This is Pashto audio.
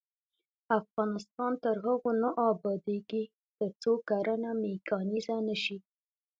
افغانستان تر هغو نه ابادیږي، ترڅو کرنه میکانیزه نشي.